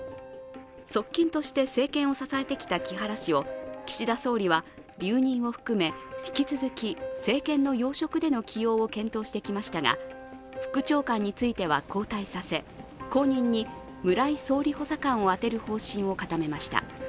側近として政権を支えてきた木原氏を岸田総理は留任を含め引き続き政権の要職での起用を検討してきましたが、副長官については交代させ、後任に村井総理補佐官を充てる方針を固めました。